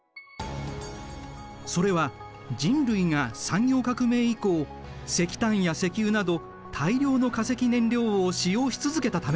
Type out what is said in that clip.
それは人類が産業革命以降石炭や石油など大量の化石燃料を使用し続けたためだ。